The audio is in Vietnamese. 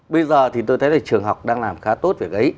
bây giờ thì tôi thấy trường học đang làm khá tốt về cái ấy